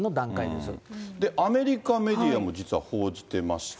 で、アメリカメディアも実は報じてまして。